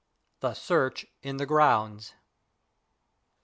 THE SEARCH IN THE GROUNDS.